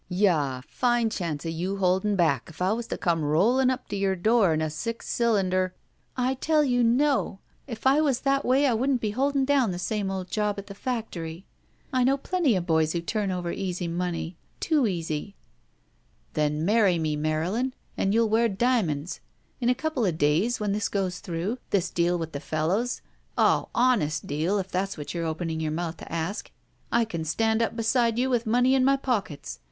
''Yah, fine chance of you holding back if I was to come rolling up to your door in a six cylinder —" '*I tell you, no! If I was that way I wouldn't be holding down the same old job at the factory. I know plenty of boys who turn over easy money. Too easy —" Then marry me, Marylin, and youll wear dia monds. In a couple of days, when this goes through, this deal with the fellows — oh, honest deal, if that's what you're opening your mouth to a^ — ^I can stand up beside you with money in my pockets.